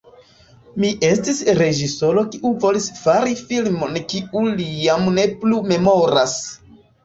Mi estis reĝisoro kiu volis fari filmon kiun li jam ne plu memoras.